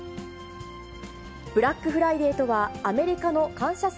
ブラックフライデーとは、アメリカの感謝祭